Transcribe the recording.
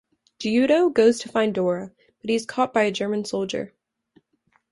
Guido goes to find Dora, but he is caught by a German soldier.